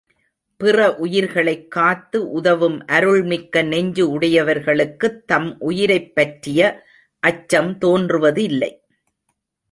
பிற உயிர்களைக் காத்து உதவும் அருள்மிக்க நெஞ்சு உடையவர்களுக்குத் தம் உயிரைப்பற்றிய அச்சம் தோன்றுவது இல்லை.